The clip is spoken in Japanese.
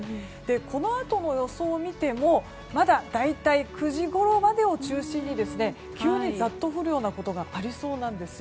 このあとの予想を見てもまだ、大体９時ごろまでを中心に急にざっと降るようなことがありそうです。